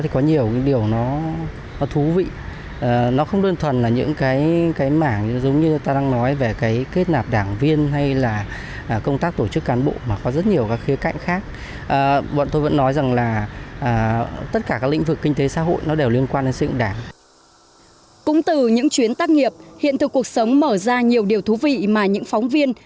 cũng từ những chuyến tác nghiệp hiện thực cuộc sống mở ra nhiều điều thú vị mà những phóng viên